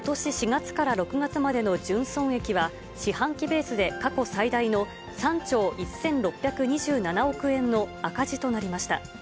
４月から６月までの純損益は、四半期ベースで過去最大の３兆１６２７億円の赤字となりました。